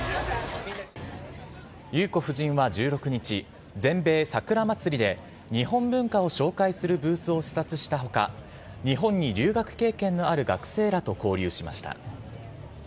裕子夫人は１６日、全米桜祭りで、日本文化を紹介するブースを視察したほか、日本に留学経験のある学生らと交流しました。